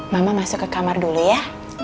mama masuk ke kamar dulu ya